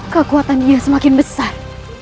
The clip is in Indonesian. kekuatannya semakin besar